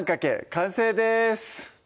完成です